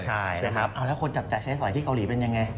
ใช่แล้วคนจะใช้สอยที่เกาหลีเป็นอย่างไร